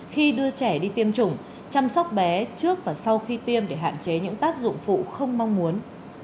khi đưa trẻ đi tiêm chủng chăm sóc bé trước và sau khi tiêm để hạn chế những tác dụng phụ không mong muốn